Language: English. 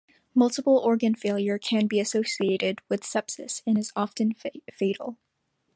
Multiple organ failure can be associated with sepsis and is often fatal.